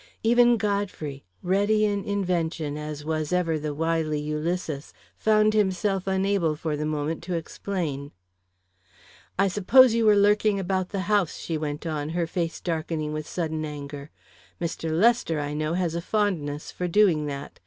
Even Godfrey, ready in invention as was ever the wily Ulysses, found himself unable, for the moment, to explain. "I suppose you were lurking about the house," she went on, her face darkening with sudden anger, "Mr. Lester, I know, has a fondness for doing that.